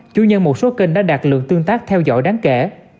chủ nhân một số kênh đã đạt lượng tương tác theo dõi đáng kể